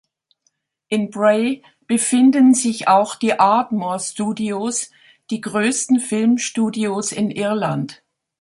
In Bray befinden sich auch die Aardmore-Studios, die größten Filmstudios in Irland.